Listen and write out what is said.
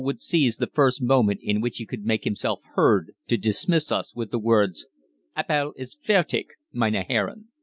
would seize the first moment in which he could make himself heard to dismiss us with the words, "Appell ist fertig, meine Herren."